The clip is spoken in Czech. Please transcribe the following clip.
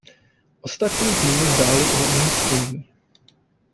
Ostatní týmy hrály o umístění.